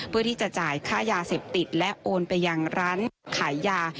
เพื่อที่จะจ่ายค่ายาเสพติดและโอนไปยังร้านขายยา